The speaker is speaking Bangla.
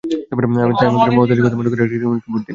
তাই আমাকে নয়, মমতাদির কথা মনে করে তৃণমূলে একটি ভোট দিন।